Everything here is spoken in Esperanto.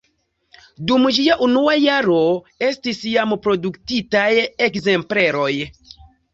Dum ĝia unua jaro estis jam produktitaj ekzempleroj.